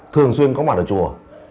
thường xuyên có mặt ở chùa